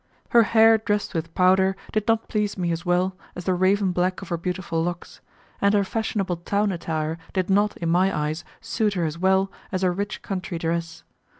Her hair dressed with powder did not please me as well as the raven black of her beautiful locks, and her fashionable town attire did not, in my eyes, suit her as well as her rich country dress.